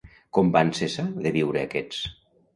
Com van cessar de viure aquests?